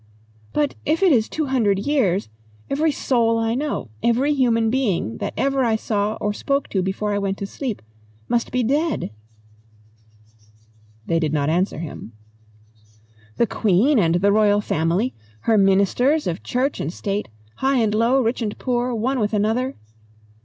"But if it is two hundred years, every soul I know, every human being that ever I saw or spoke to before I went to sleep, must be dead." They did not answer him. "The Queen and the Royal Family, her Ministers, Church and State. High and low, rich and poor, one with another